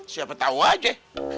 siapa tau aja